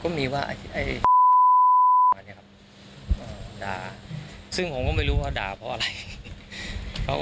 ก็มีว่าอันนี้ครับอ่าด่าซึ่งผมก็ไม่รู้ว่าด่าเพราะอะไร